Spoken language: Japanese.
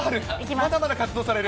まだまだ活動される。